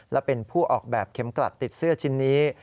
และเป็นผู้ออกแบบเข็มกลัดติดเสื้อชิ้นนี้